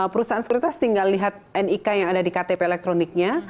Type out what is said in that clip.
perusahaan sekuritas tinggal lihat nik yang ada di ktp elektroniknya